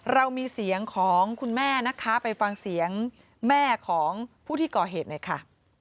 เรามีเสียงของคุณแม่นะคะไปฟังเสียงแม่ของผู้ที่ก่อเหตุหน่อยค่ะ